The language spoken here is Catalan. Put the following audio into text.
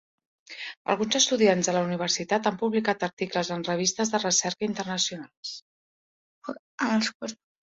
Alguns estudiants de la Universitat han publicat articles en revistes de recerca internacionals.